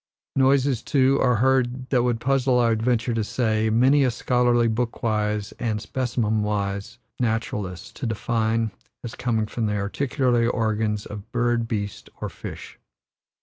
Noises, too, are heard, that would puzzle, I venture to say, many a scholarly, book wise and specimen wise naturalist to define as coming from the articulatory organs of bird, beast, or fish.